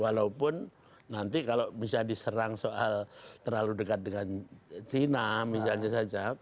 walaupun nanti kalau misalnya diserang soal terlalu dekat dengan cina misalnya saja